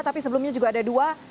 tapi sebelumnya juga ada dua